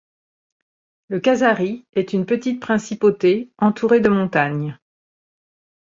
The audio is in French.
Le Khazari est une petite principauté entourée de montagnes.